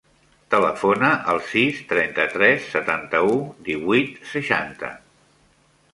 Telefona al sis, trenta-tres, setanta-u, divuit, seixanta.